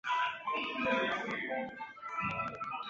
自己先试试看再说